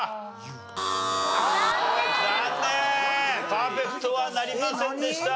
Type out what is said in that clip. パーフェクトはなりませんでした。